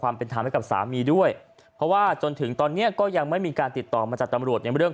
เราก็ไม่ได้ไปถามหรือว่ามีการคุยส่วนตัวกันเลย